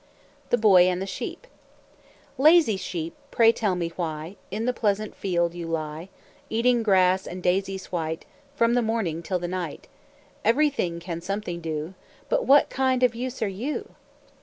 THE BOY AND THE SHEEP "Lazy sheep, pray tell me why In the pleasant field you lie, Eating grass and daisies white, From the morning till the night: Everything can something do, But what kind of use are you?"